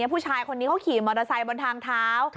ผู้ชายคนนี้เขาขี่มอเตอร์ไซค์บนทางเท้า